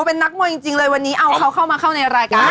เป็นนักมวยจริงเลยวันนี้เอาเขาเข้ามาเข้าในรายการ